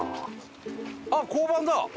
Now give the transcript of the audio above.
あっ交番。